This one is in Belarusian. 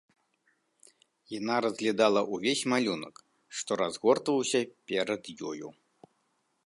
Яна разглядала ўвесь малюнак, што разгортваўся перад ёю.